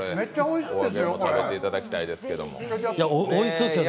皆さんに食べていただきたいですけれども。